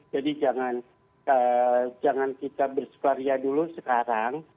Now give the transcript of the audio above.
jadi jangan kita berseparia dulu sekarang